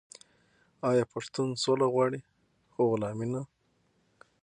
آیا پښتون سوله غواړي خو غلامي نه؟